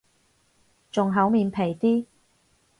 仲厚面皮啲